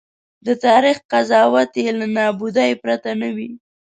د تاریخ قضاوت یې له نابودۍ پرته نه وي.